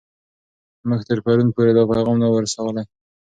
موږ تر پرون پورې دا پیغام نه و رسوولی.